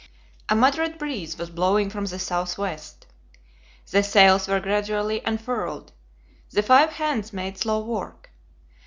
A moderate breeze was blowing from the southwest. The sails were gradually unfurled; the five hands made slow work.